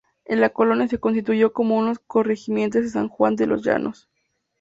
En la Colonia se constituyó como un corregimiento de San Juan de los Llanos.